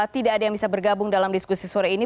tidak ada yang bisa bergabung dalam diskusi sore ini